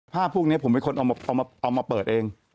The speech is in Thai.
พวกนี้ผมเป็นคนเอามาเปิดเอง